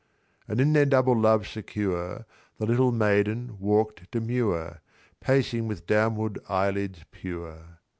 And in their double love secure, The little maiden walk'd demure, Pacing with downward eyelids pure.